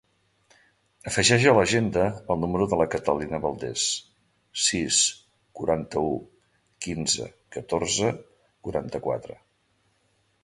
Afegeix a l'agenda el número de la Catalina Valdes: sis, quaranta-u, quinze, catorze, quaranta-quatre.